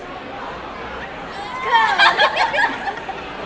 โอ๊ย